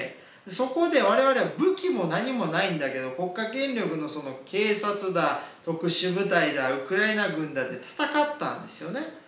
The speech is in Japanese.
そこで我々は武器も何もないんだけど国家権力のその警察だ特殊部隊だウクライナ軍だって戦ったんですよね。